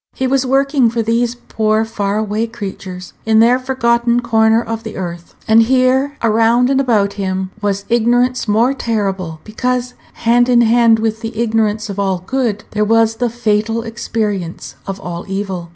He was working for these poor far away creatures, in their forgotten corner of the earth; and here, around and about him, was ignorance more terrible, because, hand in hand with ignorance of all good, there was the fatal experience of all evil.